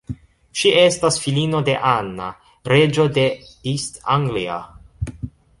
Ŝi estis filino de Anna, reĝo de East Anglia.